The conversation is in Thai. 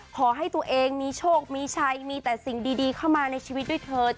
ขอให้ตัวเองมีโชคมีชัยมีแต่สิ่งดีเข้ามาในชีวิตด้วยเธอ